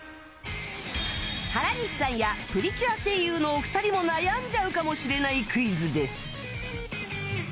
原西さんやプリキュア声優のお二人も悩んじゃうかもしれないクイズです